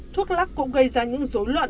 thuốc lóc cũng gây ra những dối loạn